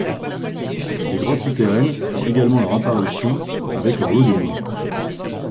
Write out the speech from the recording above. Les grottes souterraines font également leur apparition avec leur lot d'ennemis.